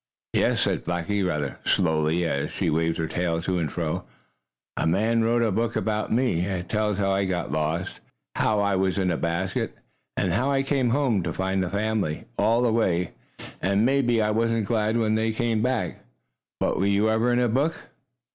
"Yes," said Blackie, rather slowly, as she waved her tail to and fro, "a man wrote a book about me. It tells how I got lost, how I was in a basket, and how I came home to find the family all away. And maybe I wasn't glad when they came back! But were you ever in a book?"